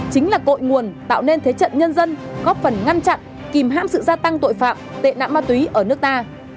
chính là cội nguồn tạo nên thế trận nhân dân góp phần ngăn chặn kìm hãm sự gia tăng tội phạm tệ nạn ma túy ở nước ta